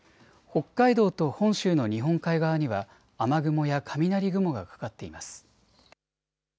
北海道と本州の日本海側には雨雲や雷雲がかかっています。